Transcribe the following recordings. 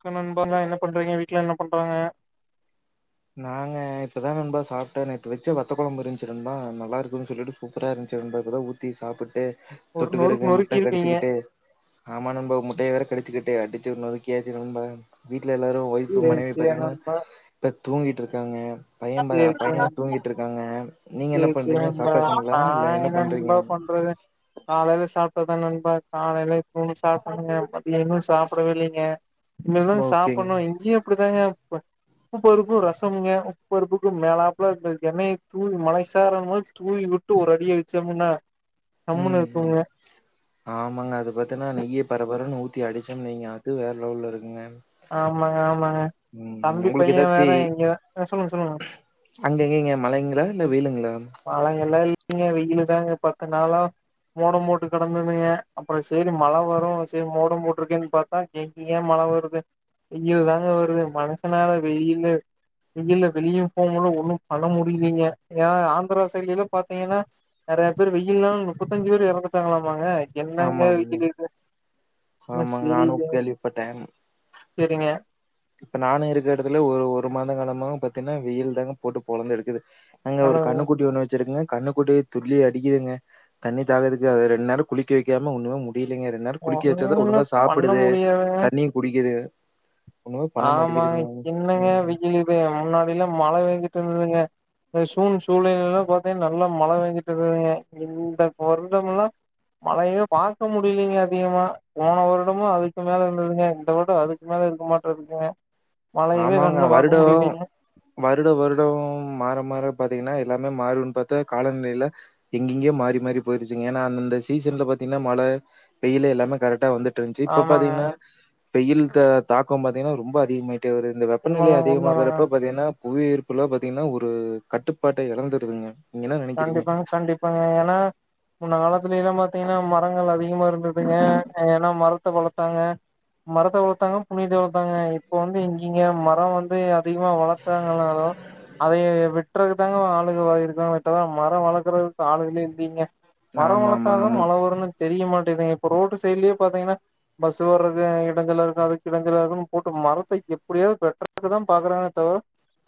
[unintelligible] நண்பர் ஆ என்ன பண்றீங்க வீட்ல என்ன பண்றாங்க நாங்க இப்பதா நண்பா சாப்ட்டோ நேத்து வெச்ச வத்த கொழம்பு இருந்துச்சு நண்பா நல்லாருக்குன்னு சொல்லிட்டு சூப்பரா இருந்துச்சு [unintelligible] ஊத்தி சாப்புட்டு ஒரு நொறுக்கு தொட்டுக்கருக்கு முட்ட நொறுக்கிருப்பீங்க கடிச்சுக்கிட்டு ஆமா நண்பா முட்டைய வேற கடிச்சுக்கிட்டு அடி [unintelligible] ட்ல எல்லாரு ஒய்ஃபு சேரி மனைவி சேரி பாத்தீங்கன்னா நண்பா பெத் தூங்கிட்ருக்காங்க பைய ப பைய தூங்கிட்ருக்காங்க சேர் சேர் நண்பா நா என்ன நண்பா பண்றது காலைல சாப்ட்டதுதா ண்பா காலைல இப்பவு சாப்ட்டணுங்க மதிய இன்னு சாப்புடவே இல்லிங்க இனிதா ஓகேங் சாப்புட்ணும் இங்கியும் அப்டிதாங்க [unintelligible] உப்பு பருப்பும் ரசமுங்க உப்பு பருப்புக்கு மேலாப்ல இந்த எண்ணெய்ய தூவி மழை சாரல் மாரி தூவிவுட்டு ஒரு அடியடிச்சோமுனா ம் ம் ஆமாங்க அது பாத்தின்னா நெய்ய பரபரன்னு ஊத் சுத்தி அடிச்சன் வைங்க அது வேற லெவல்ல இருக்குங்க ஆமாங்க ஆமாங்க ம் தம்பி உங்களுக்கு பையே ஏதாச்சு வேற இங்கதா சொல்லுங்க சொல்லுங்க அங்க எங்கங்க மழைங்களா இல்ல வெயிலுங்களா மழை எல்லா இல்லிங்க வெயிலுதாங்க பத்து நாளா மோட போட்டு கெடந்ததுங்க அப்புறோ சேரி மழ வரு சேரி மோட போட்டுருக்கேனு பாத்தா எங்கிங்க மழ வருது வெயில் தாங்க வருது மனுஷனால வெளியிலு வெயில வெளியு போ முடில ஒண்ணு பண்ண முடியலீங்க ஏ ஆ [unintelligible] செயலில பாத்தீங்கனா நெறைய பேர் வெயில்னால முப்பத்திஞ்சு பேர் இறந்துட்டாங்களாமாங்க என்னங்க ஆமாங்க. வீட்டுக்கிருக்கு ஆமாங்க நானு கேள்விபட்டே சரிங்க இப்ப நானும் இருக்கிற இடத்துல ஒரு ஒரு மாத காலமாக பாத்துன வெயில் தாங்க போட்டு பொளந்து எடுக்குது நாங்க ஒரு கண்ணுக்குட்டி ஒண்ணு வச்சிருக்கங்க கண்ணுக்குட்டி துல்லி அடிக்கிதுங்க தண்ணி தாகத்துக்கு அத ரெண்டு நாள் குளிக்க வெக்காம ஒண்ணுமே மு அப்படி இல்லீங்க ரெண்டு நேரோ குளிக்க வச்சாத ஒன்னுமே ஒழுங்கா பண்ண சாப்பிடுது முடியாதுங்க தண்ணியு குடிக்கிது ஆமாங்க என்னங்க ம். வெயில் இது முன்னாடி எல்லா மழ பேஞ்சிட்டு இருந்ததுங்க இந்த சூன் சூலைலெல்லா பாத்தீங்க நல்லா மழ பேஞ்சிட்டு இருந்ததுங்க இந்த வருடமெல்லா மழையே பாக்க முடியலீங்க அதிகமா போன வருடமு அதுக்கு மேல இருந்ததுங்க இந்த வருட அதுக்கு மேல இருக்குமா ருக்கே ஆமாங்க வருடவு வருட வருடவு மாற மாற பாத் பாத்தீங்கனா எல்லாமே மாறிடுன் பாத்தா காலநில எங்கெங்கேயோ மாறி மாறி போயிடுச்சுங்க ஏனா அந்தந்த சீசன்ல பாத்தீங்னா மழ வெயிலு எல்லாமே கரெக்டா வந்துட் டுருந்துச்சி இப்ப ஆமாங்க பாத்தீங்னா வெயில் த தாக்கோ பாத்தீங்னா ரொம்ப அதிகமாய் டு ஒரு இந்த வெப்பநிலை உண்மதாங்க உண்மதாங்க அதிகமாகுறப்ப பாத்தீங்னா புவியீர்ப்பலா பாத்தீங்னா ஒரு கட்டுப்பாட்ட இழந்துடுதுங்க கண்டிப்பாங்க கண்டிப்பாங்க ஏனா முன்ன காலத்துல எல்லா பாத்தீங்கனா மரங்கள் அதிகமா இருந்ததுங்க ஏன்னா மரத்த வளத்தாங்க மரத்த வளத்தாங்க புண்ணியத்த வளத்தாங்க இப்போ வந்து இங்கிங்க மரம் வந்து அதிகமா வளத்தாங்கானாலு அதயே வெட்ற ப்தாங்க ஆளுகவா இருக்காங்க அதா மர வளக்குறதுக்கு ஆளுங்களே இல்லீங்க மரோ ஆமாமாங்க. வளத்தாதா முன் மழ வருன்னு தெரிய மாட்டேகிதுங்க இப்போ ரோட்டுசைட்லயே பாத்தீங்கனா பஸ்ஸு வர்றது இடஞ்சல இருக்கு அதுக்கு இடஞ்சல இருக்குன் போட்டு மரத்தை எப்படியாவது வெட்டறதுக்கு தா பாக்குறாங்களே தவிர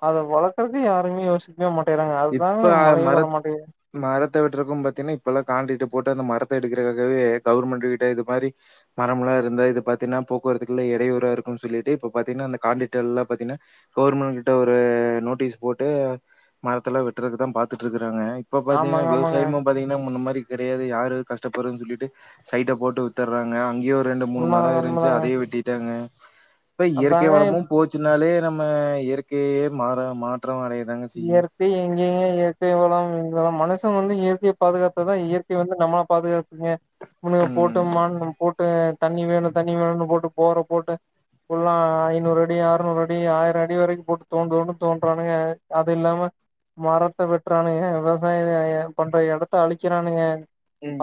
அத வளர்க்கறக்கு யாருமே யோசிக்க [unintelligible] மாட்டேறாங்க அதுதாங்க ஆ மழையே மரத் வரமாட்டேங்குது மரத் மரத்த வெட்றப்ப பாத்தீன்னா இப்பெல்லா காண்டீட்டு போட்டு அந்த மரத்த எடுக்கிறக்காகவே கவர்மெண்ட் கிட்ட இது மாரி மரம்ல இருந்தா இது பாத்தீன்னா போக்குவரத்துக்கெல்லா இடையூறா இருக்குன் சொல்லிட்டு இப்ப பாத்தீங்ன்னா அந்த காண்டிட்டர் எல்லா பாத்தீங்ன்னா கவர்மெண்ட் கிட்ட ஒரு நோட்டீஸ் போட்டு மரத்துல வெட்டுறக்குதா பாத்துட்டு இருக்கு ங்க இப்ப பாத்தீங்கனா ஆமாங்க ஆமாங்க விவசாயமு பாத்தீங்கனா முன்ன மாரி கெடையாது யாரு அது கஷ்டப்பட்றதுன்னு சொல்லிட்டு சைட்ட போட்டு வித்துறாங்க அங்கயே ரெண்டு மூணு மர உண்மதாங்க இருந்துச்சு உண்மதாங்க அதயு வெட்டிட்டாங்க இப்ப இயற்கை அதாங்க வளமும் போச்சுன்னாலே நம்ம இயற்கையையே மாற மாத் ற்றொ அடய தாங்க செய்யு இப்பையு எங்கங்க இயற்கை வளம் [unintelligible] மனுச வந்து இயற்கைய பாதுகாத்தா தா இயற்கை வந்து நம்மள பாதுக்காக் ங்க [unintelligible] போட்டு ம். [unintelligible] போட்டு தண்ணி வேணு தண்ணி வேணுன்னு போட்டு போரப் போட்டு ஃபுல்லா ஐநூறடி ஆற்நூறடி ஆயிரடி வரைக்கு போட்டு தோண்ட் தோண்டுன்னு தோண்றானுங்க அதில்லாம மரத்த வெட்றானுங்க விவசாய இத ஏ பண்ற எடத்த அழிக்கிறானுங்க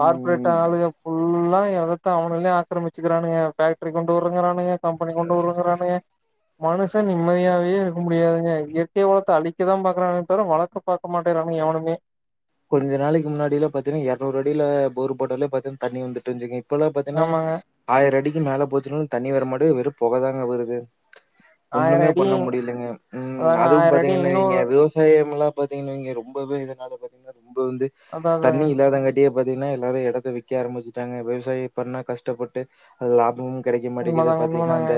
கார்ப்ரேட் ஆளுக ஃபுல்லா ஆ எடத்த அவனுங்களே ஆக்கிரமிச்சுக்கிறாணுங்க ஃபேக்ட்ரி கொண்டு வருங்குறாணுங்க கம்பெனி கொண்டு வருவங்கறாணுங்க மனுஷன் நிம்மதியாவே இருக்க முடியாதுங்க இயற்கை வளத்த அழி க்கதா பாக்குறானே தவர வளக்க பாக்க மாட்டேங்குறாணுங்க எவனுமே கொஞ்ச நாளக்கி முன்னாடிலா பாத்தின்னா எறநூறடில போர் போட்டாலே பாத்திங் தண்ணி வந்துட்டு [unintelligible] இப்பல்லா பாத்தீன்னா ஆமாங்க ஆயிர அடி [unintelligible] மேல போச்சீனாலு தண்ணி வர மாட்டுது வெறு பொகதாங்க வருது ஆயிர ஒன்னுமே அடி பண்ண முடிலைங்க ம் அதாங்க அதுவு ஆயிர அடி பாத்தீங்கன்னா இங்க இன்னொரு விவசாயமலா பாத்தீங்கன்ன வைங்க ரொம்பவே இதனால பாத் ஆ ப வந்து அதா அதாங்க தண்ணீ இல்லாதங்காட்டி பாத்தீங்னா எல்லாரு எடத்த விக்கா ஆரம்முச்சுட்டாங்க விவசாயி பண்ணா கஷ்டப்பட்டு லாபமு கெடைக்கிங் மாட்டேகிது உண்மதாங்க பாத்தீனா உண்மதாங்க அந்த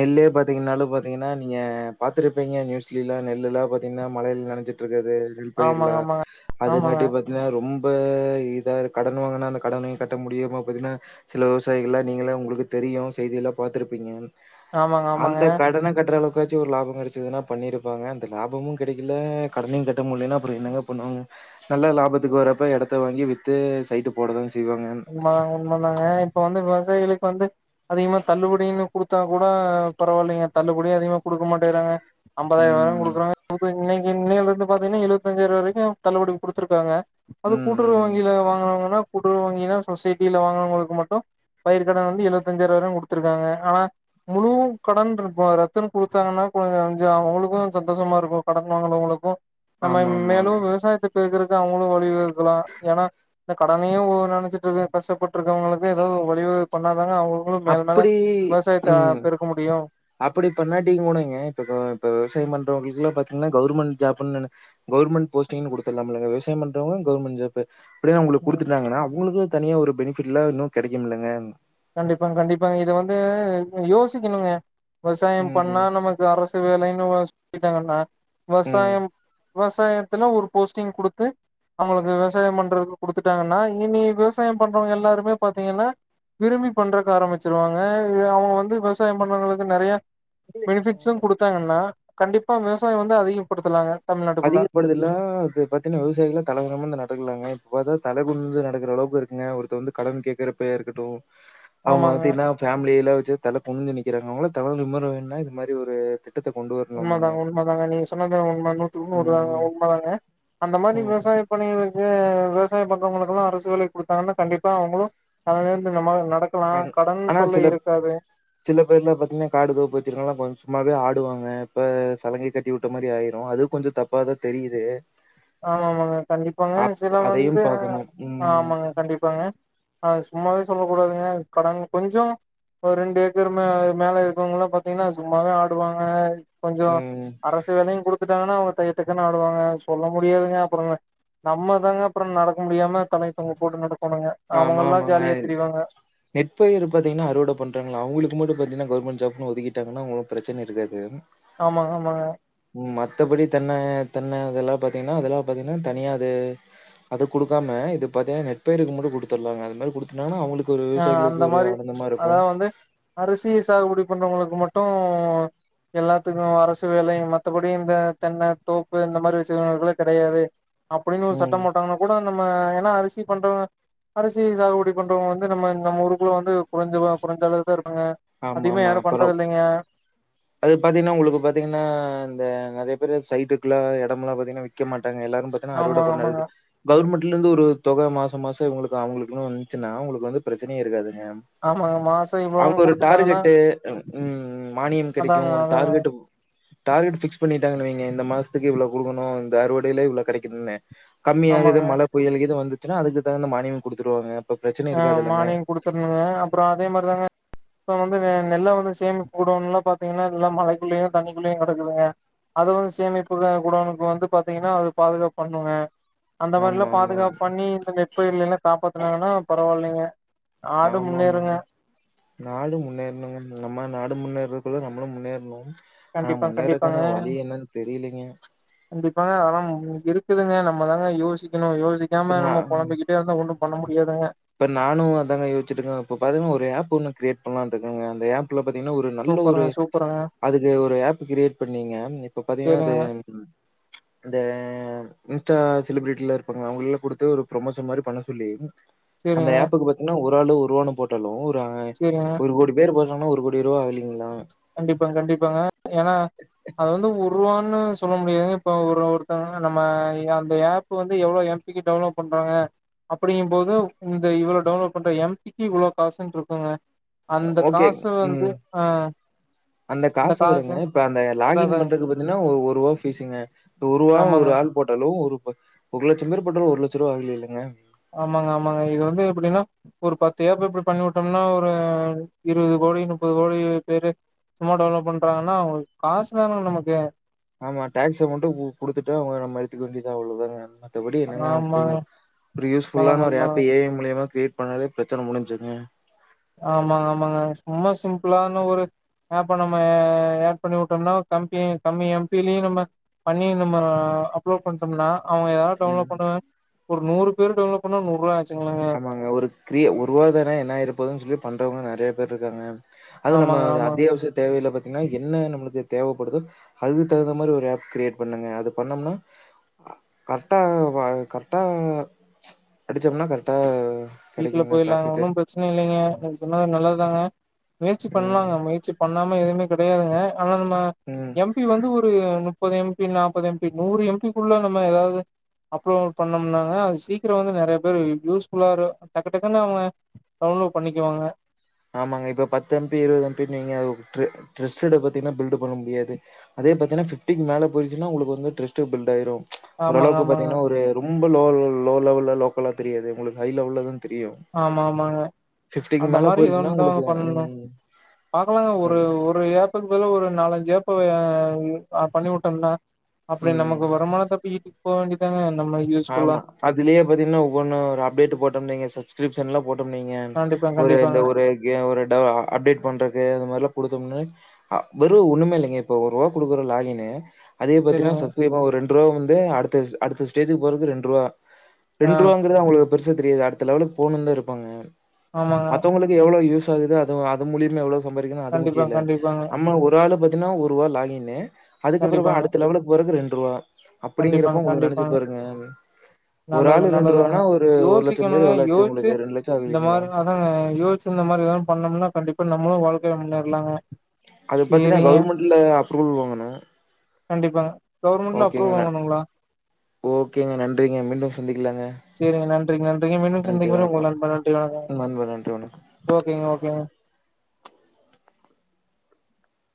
நெல்லே பாத்தீங்கனாலு பாத்தீங்கனா நீங்க பாத்துருப்பீங்க நியூஸ்லிலா நெல்லுலா பாத்தீங்னா மழயில் நனச்சுட்ருக்கு வே நெல்பயிர்லா ஆமாங்க ஆமாங்க ஆமாங்க அதுங்காட்டி பாத்தீனா ரொம்பா இதாரு கடன் வாங்குனா அந்த கடனையு கட்ட முடியாம பாத்தீங்னா சில விவசாயிகளா நீங்கலே உங்குளுகே தெரியு செய்தியல்லா பாத்துருப்பீங்கன் ஆமாங்க ஆமாங்க அந்த கடன கட்றளவு காச்சு ஒரு லாபோ கெடச்சுதுனா பண்ணீருப்பாங்க அந்த லாபமு கெடைக்கிலா கடனையு கெட்ட முல்லேயினா அப்பறோ என்னங்கா பண்வாங்க நல்லா லாபத்துக்கு வரப்பா எடத்த வாங்கி வித்து சைட்டு போடதாங் உண்மதா உண்மதாங்கே இப்ப வந்து சாயிகளுக் வந்து அதிகமா தள்ளுபடியினு குடுத்தா கூட பருவாலிங்க தள்ளுபடியு அதிகமா குடுக்கு மாட்டேகறாங்கே அம்பதாயருவாதா ம். குடுக்குறாங்க [unintelligible] இன்னேலிருந்து பாத்தீங்னா எழுவத்தஞ்சாயரொ வரைக்கு தள்ளுபடி குடுத்துருக்காங்க அது ம், கூட்டுறவு ம். வங்கில வாங்னௌங்கனா கூட்டுறவு வங் ஏதோ ஒரு சொசைட்டில வாங்கனவங்களுக்கு மட்டும் பயிர்கடன் வந்து எழுவத்தஞ்சாயிர ரூவா தான் குடுத்திருக்காங்க ஆனா முழு கடன்னு இருக்கும் அது ரத்துன்னு குடுத்துத்தாங்கனா கொஞ்ச அவுங்களுக்கும் சந்தோஷமா இருக்கும் கடன் வாங்கனவங்ளுக்கும் நம்ம ஆமாமா. மேலும் விவசாயத்துக் இப்ப இருக்கறதுக்கு அவுங்களும் வழிவகுக்கலா ஏன்னா இந்த கடனையு ஒரு ஆளு [unintelligible] கஷ்டப்பற்றவங்களுக்கு ஏதாவ ஒரு வழி உதவி பண்ணா இதனால அவுங்களும் மேல மேல அப்படி விவசாயத்த அ பெருக்க முடியும் அப்பிடி பண்ணீட்டிங்க கூடங்க இப்ப இப்ப விவாய பண்றவங்க எல்லாம் பாத்தீங்கன்னா கவர்மெண்ட் ஜாப்ன்னு கவர்மெண்ட் போஸ்டிங்கன்னு குடுத்துல்லாமில்லீங்க விவசாயம் பண்றவங்க கவர்மெண்ட் ஜாப் அப்பிடி அவுங்களுக்கு குடுத்துறாங்கனா அவுங்களுக்கு தனியா ஒரு பெனிஃபிட்ல்லாம் இன்னும் கெடைக்கும் இல்லங்க கண்டிப்பா கண்டிப்பாங்க இத வந்து யோசிக்கணுங்க விவசாயம் ம், பண்ணா நமக்கு அரசு வேலைன்னு வா இருக்காங்கனா ம். வசாயம் விவசாயத்துல ஒரு போஸ்ட்டிங் குடுத்து அவுங்களுக்கு விவசாயம் பண்றதுக்கு குடுத்துட்டாங்கன்னா இனி மேல் விவசாயம் பண்றவங்க எல்லாருமே பாத்தீங்கன்னா விரும்பி பண்றதுக்காக தா மச்சா வாங்கன அவுங்க வந்து விவசாயம் பண்றவங்களுக்கு நறைய பெனிபிட்ஸும் குடுத்தாங்கன்னா கண்டிப்பா விவசாயம் வந்து அதிகப்படுத்தலாங்க தமிழ்நாட்டுக்குள்ள அதிகப்படுதுலாம் அது பத்தின விவசாயிகளாம் தலவரமா நடக்கலாங்க இப்ப பாத்தா தலகுனிஞ்சு நடக்குற அளவுக்கு இருக்குங்க ஒருத்த வந்து கடன் கேட்கறப்ப இருக்கட்டும் அவங்க ஆமாங்க பாத்திங்கன்ன ஃபேமிலியில்ல தல குனிந்து நிக்கிறாங்க அவங்கள தல நிமிரணும்னா இது மாதிரி ஒரு திட்டத்த கொண்டு உண்ம வரணுமாங்க. தாங்க உண்ம தாங்க நீங்க சொன்னத உண்மனு [unintelligible] தாங்க ம், உண்மதாங்க அந்த மாதிரி ம். விவசாயம் பண்ணி விவசாய பக்கறவங்களுக்குல்லாம் அரசு வேல கொடுத்தாங்கன்னா கண்டிப்பா அவங்களும் அதலந்து நம்ம நடக்கலா அது கடன் ஆனா தொல்லை சில இருக்காது சில பேர்ல பாத்தீங்கன்னா காடு தோப்பு வெச்சிருக்காவங்லா பதில் சொ சும்மாவே ஆடுவாங்க இப்ப சலங்கை கட்டிவிட்ட மாதிரி ஆயிறும் அதுவும் கொஞ்சம் தப்பா தான் தெரிது ஆமாமாங்க கண்டிப்பாங்க சில வந்து அதையும் பாக்கணும். ம். ஆமாங்க கண்டிப்பாங்க அ சும்மாவே சொல்ல கூடாதுங்க கடன் கொஞ்சம் ஒரு ரெண்டு ஏக்கர் மே மேல இருக்கவங்கல்லாம் பாத்தீங்கன்னா சும்மாவே ஆடுவாங்க கொஞ்சம் ம். அரசு வேலையும் குடுத்து அவங்க தையத்தக்கன்னு ஆடுவாங்க சொல்ல முடியாதுங்க அப்புறங் நம்ம தாங்க அப்புறம் நடக்க முடியாம தலய தொங்க போட்டு நடக்க ஆமா ஆமாங்க நெட்பயர் பாத்தீங்கன்னா அறுவட பண்றாங்களா அவங்களுக்கு மட்டும் பாத்தீங்கன்னா கவர்மெண்ட் ஜப்னு ஒதுக்கிட்டாங்கன்னா அவங்களுக்கு பிரச்சன இருக்காது ஆமா ஆமாங்க ம் மத்தபடி தென்ன தென்ன அதெல்லா பாத்தீங்கனா அதெல்லா பாத்தீங்கனா தனியா அது அத குடுக்காம இது பாத்தீங்கனா நெட்பயருக்கு மட்டு குடுக் தெர்லங்க அது மாரி குடுத்துட்டாங்கனா அவுங்குளுக் யா அந்த மாரி அதா வந்து அரிசி சாகுபடிப் பண்றவங்களுக்கு மட்டோ எல்லாத்துக்கோ அரசு வேலை மத்தபடி இந்த தென்ன தோப்பு இந்த மாரி விசயங்களுக்கு கெடையாது அப்டின்னு ஒரு ம். சட்டம் போட்டாங்கன்னா கூட நம்ம ஏனா அரிஸ் தி பண்றவங்க அரசியல் சாகுபடி பண்றவங்க வந்து இது நம்ம நம்ம ஊருக்குள்ள வந்து குறஞ்சவ குறஞ்சளவுதா இருப் அங்க அதிகமா ஆமாமா. யாரோ அப்புறம் பண்றதில்லைங்க அது பாத்தீங்கன்னா உங்குளுக்கு பாத்தீங்கன்னா இந்த நறைய பேரு சைட்டுக்குலா எடம்லா பாத்தீங்கனா விக்க மாட் டங் எல்லாரு பாத்தீனா அறுவட ஆமா ஆமாங்க பண்ணக்கு கவர்மெண்ட் இதலருந்து ஒரு தொக மாசோ மாசோ இங்களுக்கு அவுங்களுக்கு வந்துச்சுன்னா உங்ளுக்கு வந்து பிரச்சனையே இருக்காது யஅம் ஆமாங்க மாசோ அவுங்க இவ்ளோன்னு ஒரு குடுத்துட்டாங்கன்னா டார்கெட்டு ம் ம்ம் மானியன் கிடைக் அதாங்க மூணு அதாங்க டார்கெட்ப் டார்கெட் ஃபிக்ஸ் பண்ணி ட்டாங்க வெய்ங்க இந்த மாசத்துக்கு இவ்ளோ குடுக்கணு இந்த அறுவடைல இவ்வளோ கெடைக்குதுனு கம்மியாகுது ஆமாங்க மழை புயல்கீது வந்து ச்சுனா அதுக்கு தகுந்த மானியம் குடுத்துருவாங்க அப்ப பிரச்சனை ஆ இருக்காதுல்லங்க. மானிங் குடுத்துருணுங்க அப்புறோ அதே மாரிதாங்க இப்போ வந்துங்க நெல்ல வந்து சேமிப்பு குடோன்ல பாத்தீங்கன்னா எல்லா மழைக்குள்ளயு தண்ணிக்குள்ளயு கெடக்குதுங்க அதுவந்து சேமிப்புல குடோனுக்கு வந்து பாத்தீங்கன்னா அது பாதுகாப்பு பண்ணுங்க அந்த மாரில்லா ஆமாமா. பாதுகாப் பண்ணி இந்த நெர் பயிர் இல்லைங்ள சாப்புட்றாங்கனா பரவாயில்லங்க ஆமாமாங்க நாடு முன்னேருணுங்க நம்ம நாடு முன்னேறக்குள்ள நம் நம்மளு முன்னேரணு கண்டிப்பா கண்டிப்பாங்க தெரியலைங்க. கண்டிப்பாங்க அதா இருக்குதுங்க நம்மதாங்க யோசிக்கணு யோச் சிக்காம நா நம்ம பொலம்பிக்கிட்டே இருந்தா ஒன்னும் பண்ணமுத் இப்ப நானு அதங்க யோச்சிருக்கேன் இப்ப பாத்தங்க ஒரு ஆப் ஒண்ணு கிரியேட் பண்லாருக்கங்க அந்த ஆப்ல பாத்தீங்கனா ஒரு நல்ல ஒரு சூப்பருங்க சூப்பருங்க அதுக்கு ஒரு ஆப் கிரியேட் பண்ணீங்க இப்ப பாத்தீங்கனா இது சேரிங்க ச் இந்த இன்ஸ்டா செலிபிரிட்டில இருப்பாங்க அவுங்கல்லே குடுத்து ஒரு ப்ரொமோஷன் மாரி பண்ண சொல்லி அந்த சேரிங்க அப்புக்கு பாத்தீங்கன்னா ஒரு ஒரு ஆளு ஒருவானு போட்டாலும் பாங்க சேரிங்க ஒரு கோடி பேர் போ பணம் ஒரு கோடி ரூப வெளி கண்டிப்பாங்க கண்டிப்பாங்க ஏன்னா அது வந்து ஒருவான்னு சொல்ல முடியாது இப்போ ஒரு ஒருத்தங்க நம்ம அந்த ஆப்பு வந்து எவ்வளோ எம்பிக்கு டவுன்லோட் பண்றாங்க அப்படிங்கும் போது இந்த இவ்வளோ டவுன்லோட் பண்ற எம்பிக்கு இவ்வளோ காசுன்ன இருக்குங்க அந்த ஓகே. காசு ம். வந்து அஹ் அந்த காச விடுங்க இப்ப அந்த அதா லாஃகின் அதாங் பண்றது பாத்தீங்கன்னா ஒரு ரூபா பீஸுங்க ஒரு ரூபா ஆமாங்க ஒரு ஆள் போட்டாலும் ஒரு பா ஒரு லட்சம் பேர் பண்ற ஒரு லட்சம் ரூபா ஆகது இல்லைங்க ஆமாங்க ஆமாங்க இது வந்து எப்படின்னா ஒரு பத்து ஏப்ப எப்படி பண்ணி விட்டோம்னா ஒரு இருபது கோடி முப்பது கோடி பேரு சும்மா டவுன்லோட் பண்றாங்கன்னா காசு தான நமக்கு ஆமா டேக்ஸ் அமௌண்டும் குடுத்துட்டா அவங்க நம்ம எடுத்துக்க வேண்டிதான் அவ்ளோதாங் மத்தபடி என்னங்க ஆகபோகுது ஆமாங்க ஒரு உண்மதாங்க யூஸ்புல்லான ஒரு ஆப் உண்மதாங்க ஏ ஐ மூலியமா கிரியேட் பண்ணாலே பிரச்சன முடிஞ்சுங்க ஆமாங்க ஆமாங்க சும்மா சிம்பிளானா ஒரு ஆப்ப நம்ம ஆட் பண்ணி விட்டோம்னா கம்பெனி கம்மி எம்பிலயும் நம்ம பண்ணி நம்ம அப்லோட் பண்ணிட்டோம்னா அவங்க ஏதாவது ம். டவுன்லோட் பண்ணுறாங் ஒரு நூறு பேர் டெவலப் பண்ணா நூருவா ஆ ஆமாங்க ஒரு கிர ஒருவாதன என்ன ஆயிரப்போதுன்னு சொல்லி பண்ணுறவங்க நறைய பேர் இருக்காங்க அது நம்ம ஆமாங்க ஆமாங்க அத்தியாவசிய தேவையில பாத்தீங்கன்னா என்ன நம்மளுக்கு தேவைப்படுதோ அதுக்கு தகுந்த மாரி ஒரு ஆப் கிரியேட் பண்ணுங்க அது பண்ணோம்னா கரெட்டா வ கரெக்ட்டா ச் அடுச்சோம்னா கரெக் டா வீட்ல போயற்லாங்க ஒன்னும் பிரச்சனை இல்லைங்க நீங்க சொன்னது நல்லதுதாங்க முயற்சி ம், பண்ணலாங்க முயற்சி பண்ணா ம எதுவுமே கெடையாதுங்க ஆனா நம்ம ம். எம் பி வந்து ஒரு முப்பது எம் பி நாப்பது எம் பி நூறு எம் பி குள்ள நம்ம ஏதாவது அப்லோட் பண்ணோம்னாங்க அது சீக்கிரம் வந்து நெறைய பேரு யூஸ்ஃபுல்லா இரு டக்கு டக்குன்ன அவுங்க டவுன்லோட் பண்ணிக்குவாங்க ஆமாங்க இப்ப பத்து எம் பி இருவது எம் பின் வைங்க அது ட்ரு ட்ரஸ்டட் பாத்தீங்கன்னா பில்டு பண்ண முடியாது அதே பாத்தீன்னா பிப்டிக்கு மேல போய்ருச்சுனா உங்களுக்கு வந்து ட்ரஸ்ட்டு பில்ட் ஆயிரும் ச் ஆமாங்க, ஓரளவுக்கு ஆமாங்க. பாத்தீங்கன்னா ஒரு ரொம் ரொம்ப லோ லெவல்லல லோக்கல்லா தெரியாது உங்களுக்கு ஹை லெவல்ல தான் தெரியும். ஆமா ஆமாங்க அந்த மேல மாரி ரி போயிருச்சுன்னா வந்தோ உங்களுக்கு பண்ணோம் ம், பாக்கலாங்க ஒரு ம், ஒரு ஏக்கறக்கு பதிலா ஒரு நாலஞ்சு ஜேப்ப ஆஹ் பண்ணி வுட்டோம்னா அப்டி ம். நமக்கு வருமானம் தப்பிக்கிட்டு போ வேண்டிதாங்க ஆமா அதுலயே பாத்தீங்கனா ஒவ்வொன்னு ஒரு அப்டேட் போட்டோம் வைங்க சச் கிரிப்ஷன்ல போட்டோம் வைங்க கண்டிப்பா, ஒரு இந்த கண்டிப்பாங்க. ஒரு இ ஒரு அ அப்டேட் பண்றது அது மாரிலா குடுத்தோம்னு அ வெறும் ஒண்ணுமே இல்லங்க இப்ப ஒரு ரூவா குடுக்குற லாகின்னு அதே பாத்திங்னா சரிங்க. சப்ஸ்கிரிபர் ஒரு ரெண் ருவா வந்து அடுத்தஸ் அடுத்த ஸ்டேஜுக்கு போறதுக்கு ரெண்டு ருவா ஆ. ரெண்டு ரூவாங்குறது அவங்களு பெருசா தெரியாது அடுத்த லெவலக்கு போனுன்தா இருப்பாங்க ஆமாங்க மத்தவங்களுக்கு எவ்ளோ யூஸ் ஃபுல்லாகுதோ அது அது மூலியமா எவ்ளோ சம்பாற்க்ளாம் அது முக்கிய கண்டிப்பாங்க இல்ல கண்டிப்பாங்க நம்ம ஒரு ஆள பாத் னா ஒருவா லாகினு அதுகப்றோ கண்டிப்பாங்க அடுத்த லெவலக்கு போறதுக் ரெண் றுவா கண்டிப்பாங்க அப்டிங்கிறப்ப உங்களுக்கு நெனச்ச கண்டிப்பாங்க. நல்லது நல்லதாங்க ரூவானா ஒரு ஒரு லட்சம் பேர் யோசிக்கணுங்க எவ்ளோ ஆச்சு யோசிச்சு உங்களுக்கு ரெண்டு லட்சம் இந்த ஆகலீங்களா மாரி அதாங்க யோசிச்சு இந்த மாரி எதா பண்ணோம்னா கண்டிப்பா நமளு வாழ்க்கைல முன்னேற்லாங்க அது பாத்தீனா கவுர்மெண்ட்ல அப்ரூவல் வாங்கணு கண்டிப்பாங்க கவர்மெண்ட்ல அப் ருவ் வாங்கணுங்ளா ஓகேங்க நன்றிங்க மீண்டும் சந்தி சேரிங்க நன்றிங்க நன்றிங்க மீண்டும் நன்றி சந்திக்கும் வரை உங்கள் வணக்கம் நண்பன் நன்றி வணக்கம் நண்பர் நன்றி வணக்கம் ஓகேங்க ஓகேங்க